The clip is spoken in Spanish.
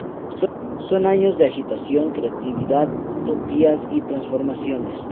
Son años de agitación, creatividad, utopías y transformaciones.